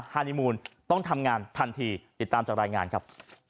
ฮานีมูลต้องทำงานทันทีติดตามจากรายงานครับ